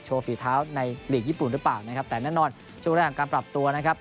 โชว์ฝีเท้าในหรือเปล่านะครับแต่แน่นอนช่วงแรกของการปรับตัวนะครับ